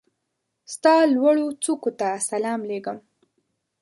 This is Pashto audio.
ستا لوړوڅوکو ته سلام لېږم